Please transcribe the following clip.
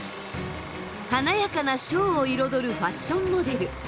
華やかなショーを彩るファッションモデル。